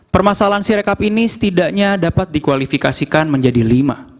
permasalahan sirekap ini setidaknya dapat dikualifikasikan menjadi lima